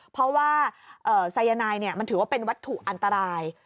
เพราะว่าสายนายมันถือว่าเป็นวัตถุอันตราย